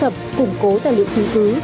thu thập củng cố tài liệu chứng cứ